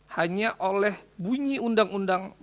hanya oleh bunyi undang undang